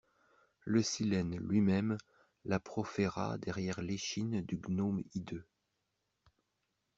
Le Silène lui-même la proféra derrière l'échine du gnome hideux.